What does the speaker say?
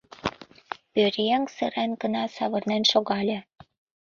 Пӧръеҥ сырен гына савырнен шогале: